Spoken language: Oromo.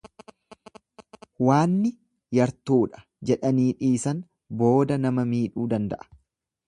Waanni yartuudha jedhanii dhiisan booda nama miidhuu danda'a.